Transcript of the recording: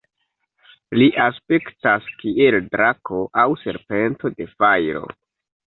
Li aspektas kiel drako aŭ serpento de fajro.